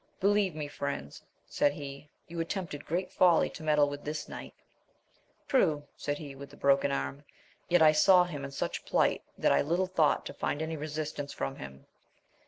Believe me, friends, said he, you attempted great folly to meddle with this knight. True, said he with the broken arm, yet I saw him in such plight that I little thought to find any resistance from him